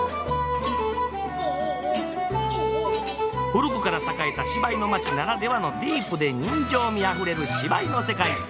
古くから栄えた芝居の街ならではのディープで人情味あふれる芝居の世界。